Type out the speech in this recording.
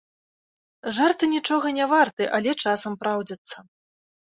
Жарты нічога не варты, але часам праўдзяцца